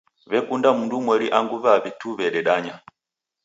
W'ekunda mndu umweri angu w'aw'i tu w'ededanya.